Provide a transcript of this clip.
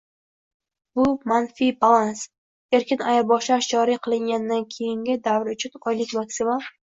Bu manfiy balans - erkin ayirboshlash joriy qilinganidan keyingi davr uchun oylik maksimal